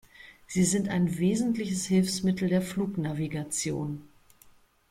Sie sind ein wesentliches Hilfsmittel der Flugnavigation.